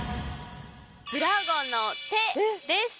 ブラウゴンの手です！